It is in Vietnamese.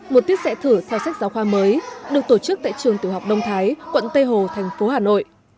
một tiết dạy thử theo sách giáo khoa mới được tổ chức tại trường tiểu học đông thái quận tây hồ thành phố hà nội